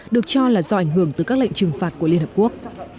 được cho là do ảnh hưởng từ các lệnh trừng phạt của liên hợp quốc